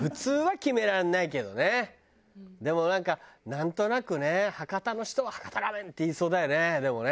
でもなんかなんとなくね博多の人は博多ラーメンって言いそうだよねでもね